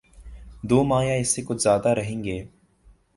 دو ماہ یا اس سے کچھ زیادہ رہیں گے۔